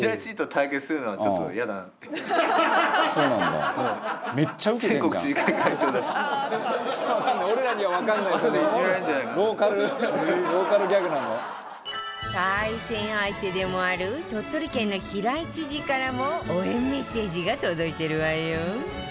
対戦相手でもある鳥取県の平井知事からも応援メッセージが届いてるわよ